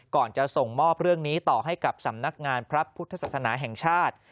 ก่อนจะส่งมอบเรื่องนี้ต่อให้กับสำนักงานพระพุทธศาสนาแห่งชาติ